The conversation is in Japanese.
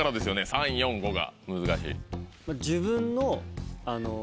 ３位４位５位が難しい。